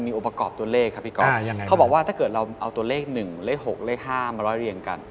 องค์ประกอบตัวเลขครับพี่ก๊อฟเขาบอกว่าถ้าเกิดเราเอาตัวเลข๑เลข๖เลข๕มาร้อยเรียงกัน